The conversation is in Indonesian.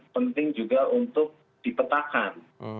penting juga untuk dipetakan